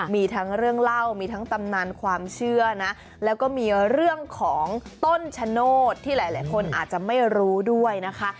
มีทั้งเรื่องเล่ามีทั้งตำนานความเชื่อนะแล้วก็มีเรื่องของต้นชะโนธที่หลายคนอาจจะไม่รู้ด้วยนะคะ